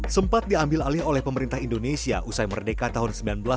sempat diambil alih oleh pemerintah indonesia usai merdeka tahun seribu sembilan ratus delapan puluh